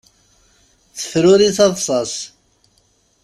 Tefruri taḍsa-s.